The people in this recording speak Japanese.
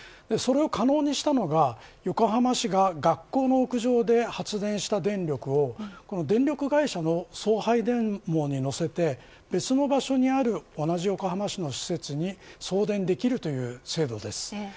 それを可能にしたのが横浜市が学校の屋上で発電した電力を電力会社の送配電網に乗せて別の場所にある同じ横浜市の施設に送電できるという制度です。